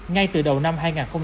ngay từ đầu năm hai nghìn hai mươi ba